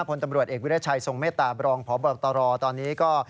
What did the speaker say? พลตำรวจเอกวิรัชัยทรงเมตตาบรองพบตรตอนนี้ก็